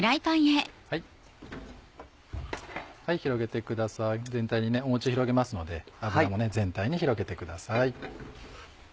広げてください全体にもちを広げますので油も全体に広げてください。